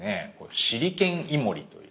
シリケンイモリという。